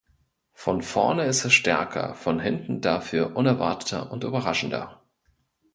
Von vorne ist er stärker, von hinten dafür unerwarteter und überraschender.